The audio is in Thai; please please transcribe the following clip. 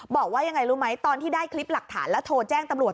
บอกว่ายังไงรู้ไหมตอนที่ได้คลิปหลักฐานแล้วโทรแจ้งตำรวจ